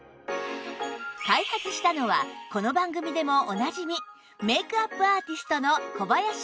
開発したのはこの番組でもおなじみメイクアップアーティストの小林照子さん